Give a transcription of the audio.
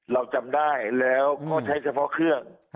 เราจำได้แล้วก็ใช้เฉพาะเครื่อง